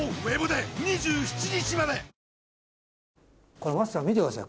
これマツコさん見てください